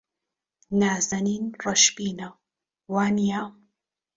نازەنین ڕەشبینە، وانییە؟